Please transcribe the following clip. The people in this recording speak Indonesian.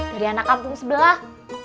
dari anak kampung sebelah